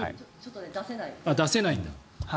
出せないんだ。